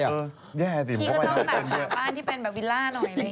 แย่สิพี่ก็ต้องแบบหาบ้านที่เป็นแบบวิลล่าหน่อยไหมค